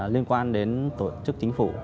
liên quan đến tổ chức chính phủ